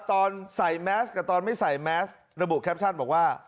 ตอนใส่แมสกับตอนไม่ใส่แมสระบุแคปชั่นบอกว่า